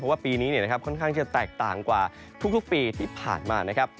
เพราะว่าปีนี้เนี่ยนะครับค่อนข้างจะแตกต่างกว่าทุกปีที่ผ่านมานะครับ